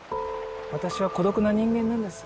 私は孤独な人間なんです。